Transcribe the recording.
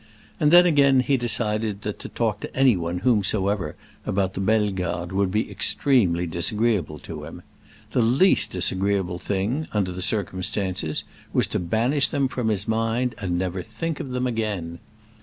And then again he decided that to talk to anyone whomsoever about the Bellegardes would be extremely disagreeable to him. The least disagreeable thing, under the circumstances, was to banish them from his mind, and never think of them again.